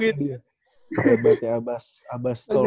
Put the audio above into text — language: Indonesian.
kita sih tau gitu